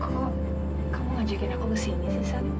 kok kamu ngajakin aku kesini sih sat